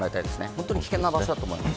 本当に危険な場所だと思います。